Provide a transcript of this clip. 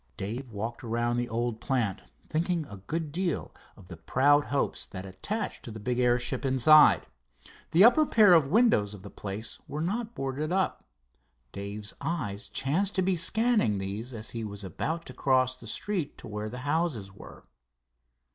Dave walked around the old plant, thinking a good deal of the proud hopes that attached to the big airship inside. The upper pair of windows of the place were not boarded up. Dave's eyes chanced to be scanning these as he was about to cross the street to where the houses were.